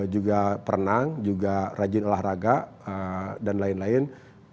juga perenang juga rajin olahraga dan lain lain